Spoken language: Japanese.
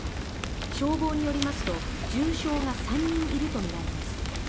消防によりますと重症が３人いるとみられます。